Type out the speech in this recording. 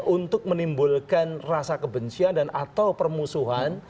untuk menimbulkan rasa kebencian dan atau permusuhan